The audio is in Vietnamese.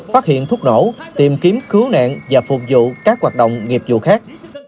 phát hiện thuốc nổ tìm kiếm cứu nạn và phục vụ các hoạt động nghiệp vụ khác